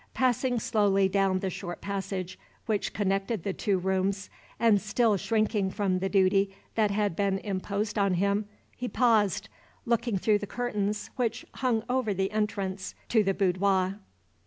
Passing slowly down the short passage which connected the two rooms, and still shrinking from the duty that had been imposed on him, he paused, looking through the curtains which hung over the entrance to the boudoir.